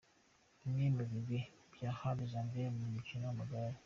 Bimwe mu bigwi bya Hadi Janvier mu mukino w’amagare.